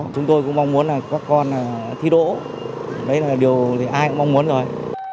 chúng tôi cũng mong muốn là các con thi đỗ đấy là điều thì ai cũng mong muốn rồi